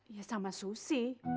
ya sama susi